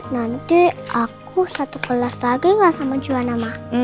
nanti aku satu kelas lagi gak sama juara ma